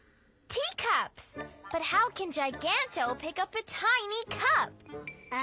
ティーカップよ。